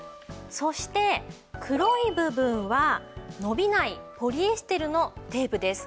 そして黒い部分は伸びないポリエステルのテープです。